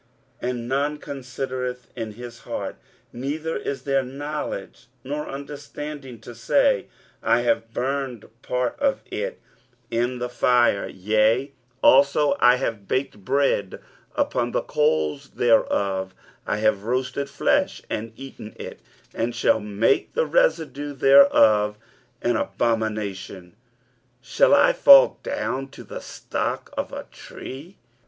23:044:019 And none considereth in his heart, neither is there knowledge nor understanding to say, I have burned part of it in the fire; yea, also I have baked bread upon the coals thereof; I have roasted flesh, and eaten it: and shall I make the residue thereof an abomination? shall I fall down to the stock of a tree?